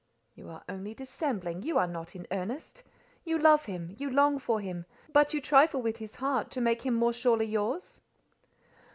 You are only dissembling: you are not in earnest: you love him; you long for him; but you trifle with his heart to make him more surely yours?"